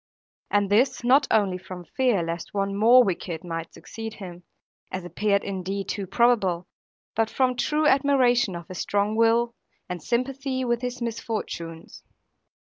And this, not only from fear lest one more wicked might succeed him (as appeared indeed too probable), but from true admiration of his strong will, and sympathy with his misfortunes.